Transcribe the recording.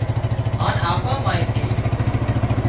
هانَ آپان مانيئن ٿي